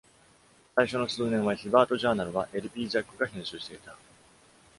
最初の数年は、「ヒバートジャーナル」は L.P. ジャックが編集していた。